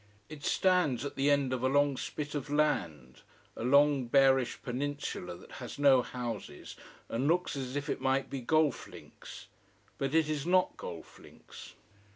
It stands at the end of a long spit of land a long, barish peninsula that has no houses and looks as if it might be golf links. But it is not golf links.